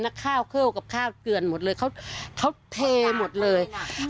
นักข้าวเข้ากับข้าวเกลือนหมดเลยเขาเขาเทหมดเลยอ่ะ